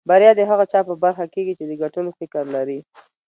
بريا د هغه چا په برخه کېږي چې د ګټلو فکر لري.